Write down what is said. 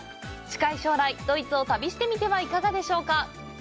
近い将来、ドイツを旅してみてはいかがでしょうか！